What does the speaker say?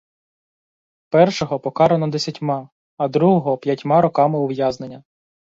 Першого покарано десятьма, а другого — п'ятьма роками ув'язнення.